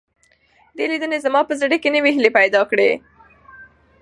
دې لیدنې زما په زړه کې نوې هیلې پیدا کړې.